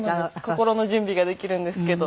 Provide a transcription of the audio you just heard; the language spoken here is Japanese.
心の準備ができるんですけど。